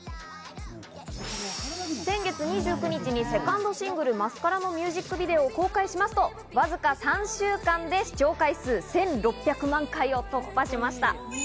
先月２９日にセカンドシングル『ＭＡＳＣＡＲＡ』のミュージックビデオを公開しますと、わずか３週間で視聴回数１６００万回を突破しました。